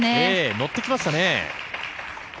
乗ってきましたね。